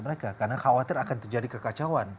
mereka karena khawatir akan terjadi kekacauan